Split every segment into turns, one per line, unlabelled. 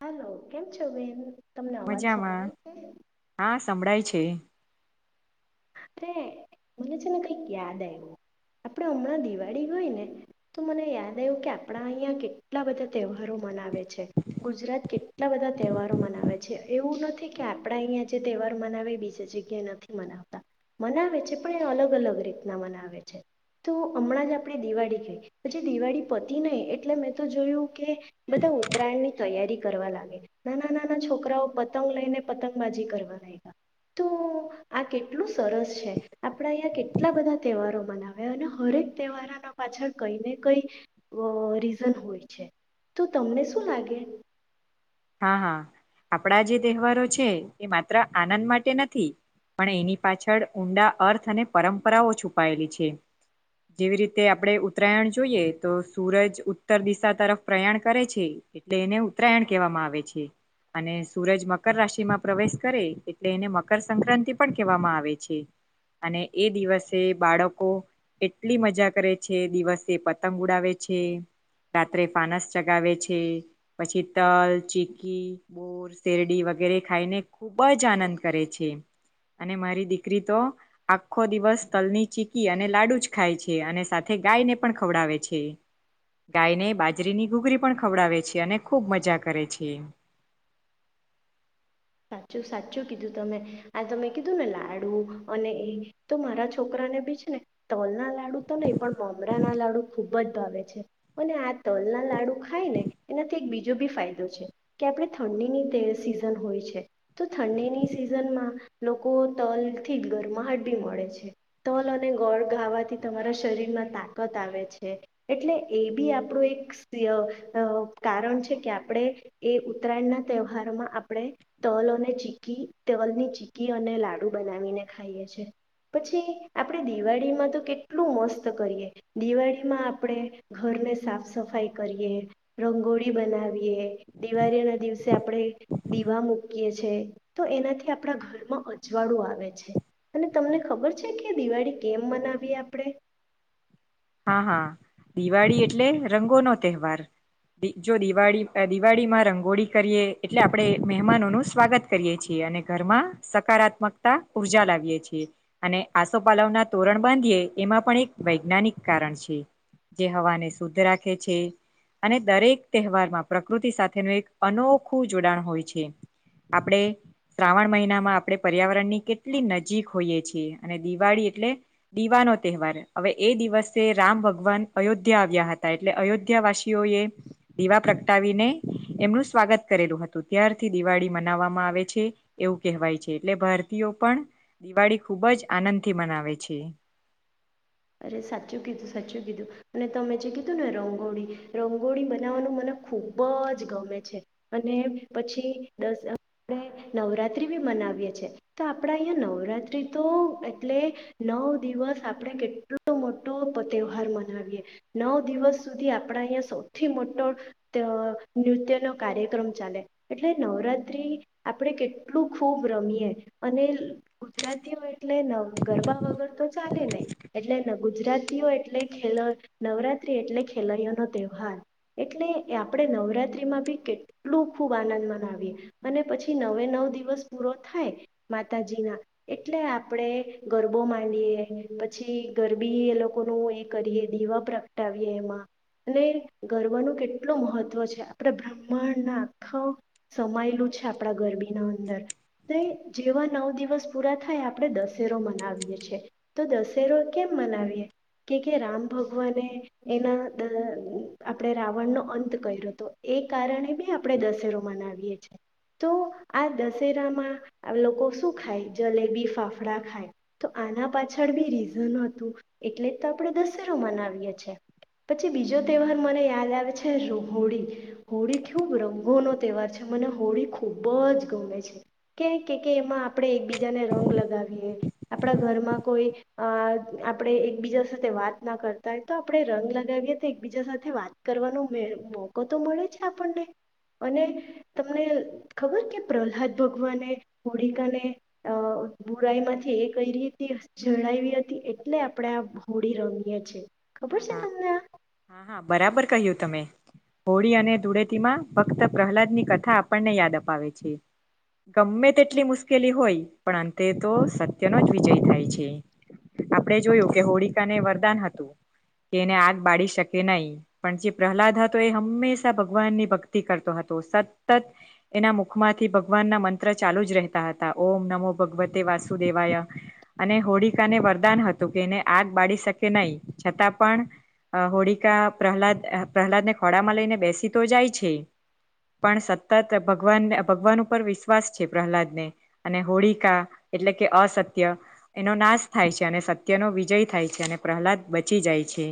Hello કેમ છો બેન. તમને અવાજ
મજામાં
સંભળાય છે?
હા સંભળાય છે.
અરે મને છે ને કંઈક યાદ આવ્યું આપડ હમણાં દિવાળી હોય ને તો મને યાદ આવ્યું કે આપણા અહિયાયા કેટલા બધા તહેવારો મનાવે છે ગુજરાત કેટલા બધા તહેવારો મનાવે છે એવું નથી કે આપણા અહીંયા જે તહેવાર મનાવે બીજી જગ્યા નથી મનાવ મનાવે છે પણ એ અલગ અલગ રીતના મનાવે છે તો હમણાં જ આપણે દિવાળી ગઈ પછી દિવાળી પતી નહી એટલે મેં તો જોયું કે બધા ઉત્તરાયણ ની તૈયારી કરવા લાગે નાના નાના છોકરાઓ પતંગ લઈને પતંગબાજી કરવા લાગ્યા તો આ કેટલા કેટલું સરસ છે આપણે અહીંયા કેટલા બધા તહેવારો મનાવ્યા અને હરેક તહેવારોના પાછળ કઈ ને કઈ રીઝન હોય છે તો તમને શું લાગે?
હા હા આપણા જે તહેવારો છે એ માત્ર આનંદ માટે નથી પણ એની પાછળ ઊંડા અર્થ અને પરંપરાઓ છુપાયેલી છે જેવી રીતે આપણે ઉત્તરાયણ જોઈએ તો સૂરજ ઉત્તર દિશા તરફ પ્રયાણ કરે છે એટલે એને ઉત્તરાયણ કહેવામાં આવે છે અને સૂરજ મકર રાશિમાં પ્રવેશ કરે એટલે એને મકરસક્રાંતિ પણ કહેવામાં આવે છે અને એ દિવસે બાળકો એટલી મજા કરે છે દિવસે પતંગ ઉડાવે છે રાત્રે ફાનસ ચગાવે છે પછી તલ ચીકી બોર શેરડી વગેરે ખાઈને ખૂબ જ આનંદ કરે છે અને મારી દીકરી તો આખો દિવસ તલની ચીકી અને લાડુ જ ખાય છે અને સાથે ગાયને પણ ખવડાવે છે ગાયને બાજરીની ઘૂગરી પણ ખવડાવે છે અને ખૂબ મજા કરે છે.
સાચું સાચું કીધું તમે આ તમે કીધું ને લાડુ અને એ તો મારા છોકરાને બી છે ને તલ ના લાડુ તો નહી પણ મમરા ના લાડુ ખૂબ જ ભાવે છે અને આ તલના લાડુ ખાયને એનાથી એક બીજો બી ફાયદો છે કે આપણે ઠંડીની તે સિઝન હોય છે. તો ઠંડીની સિઝનમાં લોકો તલ થી ગરમાહટ બી મળે છે તલ અને ગોળ ગાવાથી તમારા શરીરમાં તાકાત આવે છે એટલે એ બી આપણું એક અ અ કારણ છે કે આપણે એ ઉતરાયણના તહેવારોમાં આપણે તલ અને ચીકી તલની ચીકી અને લાડુ બનાવીને ખાઈએ છે પછી આપણેે દિવાળીમાં તો કેટલું મસ્ત કરીએ દિવાળીમાં આપણે ઘરને સાફ સફાઈ કરીએ રંગોળી બનાવીએ દિવાળીના દિવસે આપણે દીવા મુ કી એ છે તો એનાથી આપણા ઘરમાં અજવાળું આવે છે અને તમને ખબર છે કે દિવાળી કેમ મનાવીએ આપણે
હા હા દિવાળી એટલે રંગોનો તહેવાર દી જો દિવાળી અ દિવાળીમાં રંગોળી કરીએ એટલે આપણે મહેમાનોનું સ્વાગત કરીએ છીએ અને ઘરમાં સકારાત્મકતા ઉર્જા લાવીએ છીએ અને આસોપાલવ ના તોરણ બાંધીએ એમાં પણ એક વૈજ્ઞાનિક કારણ છે જે હવાને શુદ્ધ રાખે છે અને દરેક તહેવારમાં પ્રકૃતિ સાથેનું એક અનોખું જોડાણ હોય છે આપણે શ્રાવણ મહિનામાં આપણે પર્યાવરણની કેટલી નજીક હોઈએ છીએ અને દિવાળી એટલે દીવાનો તહેવાર હવે એ દિવસ સે રામ ભગવાન અયોધ્યા આવ્યા હતા એટલે અયોધ્યા વાસીઓ એ દીવા પ્રગટાવીને એમનું સ્વાગત કરેલું હતું ત્યારથી દિવાળી મનાવામાં આવે છે એવું કહેવાય છે એટલે ભારતીયો પણ દિવાળી ખૂબ જ આનંદથી મનાવે છે.
અરે સાચું કીધું સાચું કીધું અને તમે જે કીધું ને રંગોળી રંગોળી બનાવવાનું મને ખુબ જ ગમે છે અને પછી દસ આપણે નવરાત્રી બી મનાવીએ છે તો આપડા અહીંયા નવરાત્રી તો એટલે નવ દિવસ આપણે કે ટલો મોટો તહેવાર મનાવીએ નવ દિવસ સુધી આપણા અહીંયા સૌથી મોટો અ નૃત્ય નો કાર્યક્રમ ચાલે એટલે નવરાત્રી આપણે કેટલું ખૂબ રમીએ અને ગુજરાતીઓ એટલે ગરબા વગર તો ચાલે નઈ એટલે ગુજરાતીઓ એટલે ખેલ નવરાત્રી એટલે ખેલૈયાનો તહેવાર એટલે આપણે નવરાત્રીમાં બી કેટલું ખૂબ આનંદ મનાવીએ અને પછી નવે નવ દિવસ પૂરો થાય માતાજીના એટલે આપણે ગરબો માંડીએ પ પછી ગરબી એ લોકોનું એ કરીએ દીવા પ્રગટાવીએ એમાં અને ગરબાનું કેટલું મહત્ત્વ છે આપણે બ્રાહ્માંડના આખા સમાયેલું છે આપણા ગરબીના અંદર જેવા નવ દિવસ પૂરા થાય આપણે દશેરો મનાવીએ છે તો દ સેરો કેમ મનાવીએ કે કે રામ ભગવાને એના દ આપણે રાવણનો અંત કર્યો હતો એ કારણે બી આપણે દશેરો મનાવીએ છે તો આ દશેરામાં લોકો શું ખાય જલેબી ફાફડા ખાય તો આના પાછળ બી રી હતું એટલે જ તો આપણે દશેરો મનાવીએ છે પછી બીજો તહેવાર મને યાદ આવે છે રોહોળી હોળી ખુબ રંગોનો તહેવાર છે મને હોળી ખૂબ જ ગમે છે કે કે કે એમાં આપણે એકબીજાને રંગ લગાવીએ આપણા ઘરમાં કોઈ આ આપણેે એકબીજા સાથે વાત ના કરતા હોય તો આપણે રંગ લગાવીએ તે એકબીજા સાથે વાત કરવાનો મે મોકો તો મળે છે આપણને અને તમને ખબર કે પ્રહલાદ ભગવાને હોળકાને અ બુરાઈ માંથી એ કઈ રીતે જણાયવી હતી એટલે આપડણે આ હોડી રમીએ છે. ખબર
હા હા
તમને આ
હા હા બરાબર કહ્યું તમે હોળી અને ધૂળેતીમાં ભક્ત પ્રહલાદની કથા આપણને યાદ અપાવે છે ગમે તેટલી મુશ્કેલી હોય પણ અંતે તો સત્યનો જ વિજય થાય છે આપણે જોયું કે હોળિકાને વરદાન હતું. કે એને આગ બાડી શકે નઈ પણ જે પ્રહલાદ હતો એ હંમેશા ભગવાન ની ભક્તિ કરતો હતો સતત એના મુખમાંથી ભગવાનના મંત્ર ચાલુ જ રહેતા હતા ઓમ નમો ભગવતે વાસુદેવાય અને હોળકાાને વરદાન હતું કે એને આગ બાડી શકે નઈ છતાં પણ અ હોળિકા પ્રહલાદ પ્રહલાદને ખોડામાં લઈને બેસી તો જાય છે પણ સતત ભગવાન ભગવાન ઉપર વિશ્વાસ છે પ્રહલાદને અને હોળિકા એટલે કે અસત્ય એનો નાશ થાય છે અને સત્યનો વિજય થાય છે અને પ્રહલાદ બચી જાય છે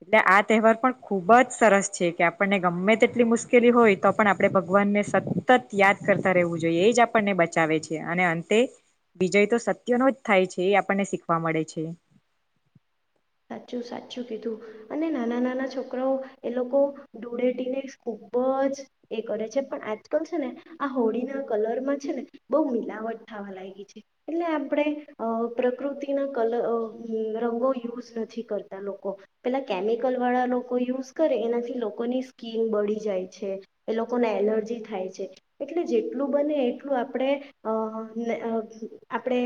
એટલે આ તહેવાર પણ ખૂબ જ સરસ છે કે આપણને ગમે તેટલી મુશ્કેલી હોય તો પણ આપણે ભગવાનને સતત યાદ કરતા રહેવું જોઈએ એ જ આપણને બચાવે છે અને અંતે વિજય તો સત્યનો જ થાય છે એ આપણને શીખવા મળે છે.
સાચું સાચું કીધું અને નાના નાના છોકરાઓ એ લોકો ડૂળેટીને ખૂબ જ એ કરે છે પણ આજકાલ છે ને આ હોળીના કલરમાં છે ને બહુ મિલાવટ થવા લાયગી છે એટલે આપણે અ પ્રકૃતિના કલર અ રંગો યુઝ નથી કરતા લોકો પેલા કેમિકલ વાળા લોકો યુઝ કરે એનાથી લોકોની સ્કીન બળી જાય છે એ લોકોને એલર્જી થાય છે એટલે જેટલું બને એટલું આપણે અ ને અ આપણે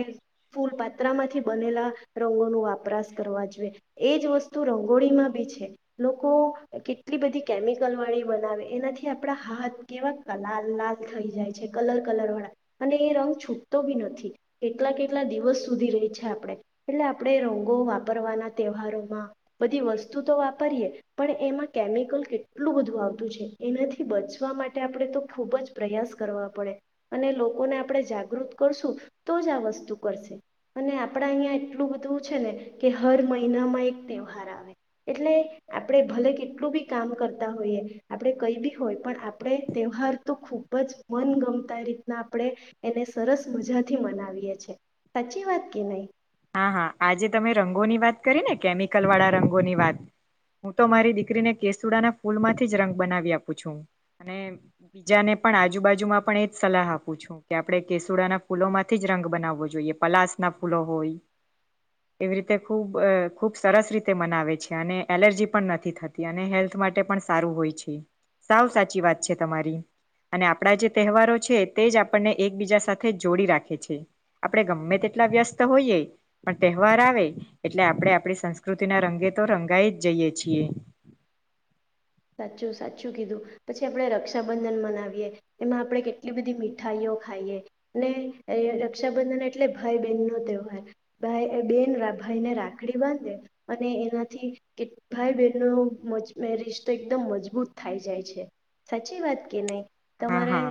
ફૂલ પાત્રામાંથી બનેલા રંગો નો વાપરાશ કરવા જો એ જ વસ્તુ રંગોળીમાં બી છે લોકો કેટલી બધી કેમિકલ વાળી બનાવે એનાથી આપણા હાથ કેવા લાલ લાલ થઈ જાય છે કલર કલર વાળા અને એ રંગ છૂટતો બી નથી કેટલા કેટલા દિવસ સુધી રેય છે આપણે એટલે આપણે રંગો વાપરવાના તહેવારોમાં બધી વસ્તુ તો વાપરીએ પણ એમાં કેમિકલ કેટલું બધું આવતું છે એનાથી બચવા માટે આપણે તો ખૂબ જ પ્રયાસ કરવા પડે અને લોકોને આપણે જાગૃત કરશું તો જ આ વસ્તુ કરશે અને આપણા અહીંયા એટલું બધું છે ને કે હર મહિ હીના માં એક તહેવાર આવે એટલે આપણે ભલે કેટલું બી કામ કરતા હોઈએ આપેડે કઈ બી હોય પણ આપણે તહેવાર તો ખૂબ જ મનગમતા રીતના આપણે એને સરસ મજાથી મનાવીએ છે સાચી વાત કે નઈ
હા હા આજે તમે રંગોની વાત કરી ને કેમિકલ વાળા રંગોની વાત હું તો મારી દીકરીને કેસુડાના ફૂલ માંથી જ રંગ બનાવી આપું છું અને બીજાને પણ આજુબાજુમાં પણ એજ સલાહ આપું છું કે આપણે કેસુડાના ફૂલોમાંથી જ રંગ બનાવવો જોઈએ પલાસ ના ફૂલો હોય. એવી રીતે ખૂબ અ ખૂબ સરસ રીતે મનાવે છે અને એલર્જી પણ નથી થતી અને હેલ્થ માટે પણ સારું હોય છે સાવ સાચી વાત છે તમારી અને આપણા જે તહેવારો છે તે જ આપણને એકબીજા સાથે જોડી રાખે છે આપણે ગમે તેટલા વ્યસ્ત હોઈએ. પણ તહેવાર આવે એટલે આપણે આપણી સંસ્કૃતિના રંગે તો રંગાઈ જ જઈએ છીએ.
સાચું સાચું કીધું પછી આપડણે રક્ષાબંધન મનાવીએ એમાં આપણે કેટલી બધી મીઠાઈઓ ખાઈએ ને રક્ષાબંધન એટલે ભાઈ બહેન નો તહેવાર ભાઈ બેન ભાઈને રાખડી બાંધે અને એનાથી કે ભાઈ બહેનનો મજ મેરી તો એકદમ મજબૂત થાય જાય છે સાચી વાત કે નઈ.
હા
તમારે
હા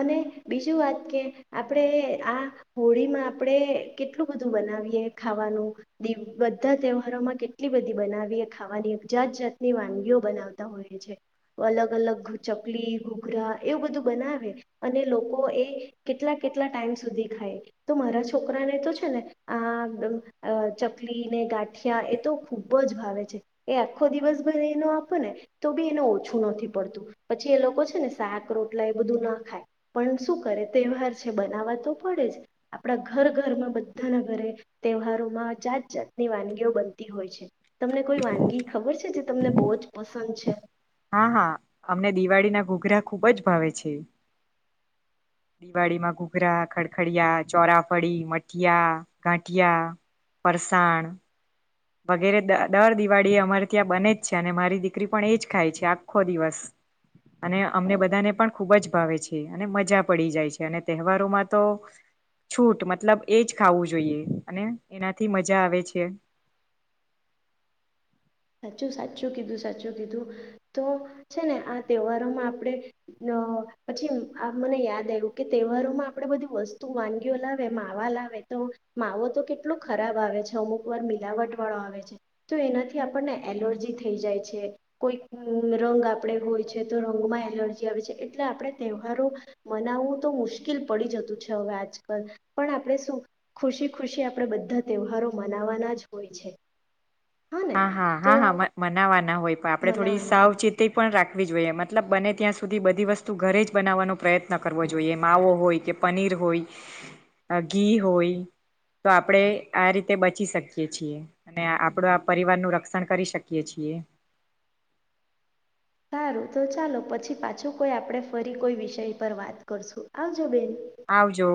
અને બીજું વાત કે આપડે આ હોળીમાં આપડે કેટલું બધું બનાવીએ ખાવાનું દી બધા તહેવારોમાં કેટલી બધી બનાવીએ ખાવાની જાત જાતની વાનગીઓ બનાવતા હોય છે અલગ અલગ ચકલી ઘૂઘરા એવું બધું બનાવે અને લોકો એ કેટલા કેટલા ટાઈમ સુધી ખાય તો મારા છોકરાને તો છે ને આ દ અ ચકલી ને ગાંઠિયા એ તો ખૂબ જ ભાવે છે. એ આખો દિવસ ભરે એનો આપો ને તો બી એને ઓછું નથી પડતું પછી એ લોકો છે ને શાક રોટલા એ બધું ના ખાય પણ શું કરે તહેવાર છે બનાવવા તો પડે જ આપણા ઘર ઘરમાં બધાના ઘરે તહેવારોમાં જાત જાતની વાનગીઓ બનતી હોય છે તમને કોઈ વાનગી ખબર છે જે તમને બો જ પસંદ છે.
હા હા અમને દિવાળીના ઘૂઘરા ખૂબ જ ભાવે છે દિવાળીમાં ઘૂઘરા ખડખડિયા ચોરાફળી મઠિયા ગાંઠિયા ફરસાણ વગેરે દ દર દિવાળી અમારે ત્યાં બને જ છે અને મારી દીકરી પણ એજ ખાય છે આખો દિવસ અને અમને બધાને પણ ખૂબ જ ભાવે છે અને મજા પડી જાય છે અને તહેવારોમાં તો છૂટ મતલબ એજ ખાવું જોઈએ અને એનાથી મજા આવે છે.
સાચું સાચું કીધું સાચું કીધું તો છે ને આ તહેવારોમાં આપણે અ પછી આ મને યાદ આવ્યું કે તહેવારોમાં આપણે બધી વસ્તુ વાનગીઓ લાવે માવા લાવે તો માવો તો કેટલો ખરાબ આવે છે અમુક વાર મિલાવટ વાળો આવે છે તો એના થી આપણને એલર્જી થઈ જાય છે કોઈ રંગ આપણે હોય છે તો રંગમાં એલર્જી આવે છે એટલે આપણે તહેવારો મનાવવું તો મુશ્કેલ પડી જતું છે હવે આજકાલ પણ આપણે શું ખુશી ખુશી આપણે બધા તહેવારો મનાવવાના જ હોય છે. ને
હા હા
તો
હા હા મ મનાવાના હોય પણ આપડે થોડી
મનાવાના
સાવચેતી પણ રાખ- વી જોઈએ મતલબ બને ત્યાં સુધી બધી વસ્તુ ઘરે જ બનાવવાનો પ્રયત્ન કરવો જોઈએ માવો હોય કે પનીર હોય અ ઘી હોય તો આપણે આ રીતે બચી શકીએ છીએ અને આપડો પરિવાર નું રક્ષણ કરી શકીએ છીએ
સારું તો ચાલો પછી પાછું કોઈ આપણે ફરી કોઈ વિષય પર વાત કરશું આવજો બેન.
આવજો.